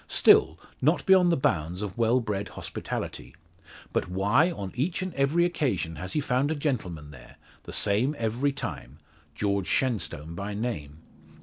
Still, not beyond the bounds of well bred hospitality. But why on each and every occasion has he found a gentleman there the same every time George Shenstone by name?